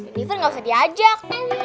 jennifer ga usah diajak